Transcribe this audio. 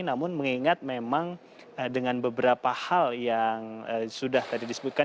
namun mengingat memang dengan beberapa hal yang sudah tadi disebutkan